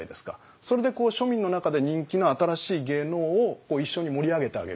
それで庶民の中で人気の新しい芸能を一緒に盛り上げてあげる。